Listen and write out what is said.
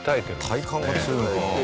体幹が強いのかな？